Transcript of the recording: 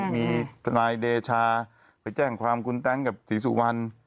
มีทนายเดชาไปแจ้งความคุณแต๊งกับศรีสุวรรณ